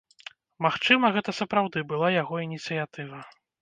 Магчыма, гэта сапраўды была яго ініцыятыва.